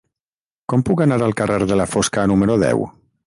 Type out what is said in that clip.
Com puc anar al carrer de la Fosca número deu?